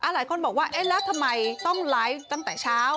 หลายคนบอกว่าเอ๊ะแล้วทำไมต้องไลฟ์ตั้งแต่เช้า